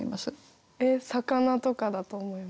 えっ魚とかだと思います。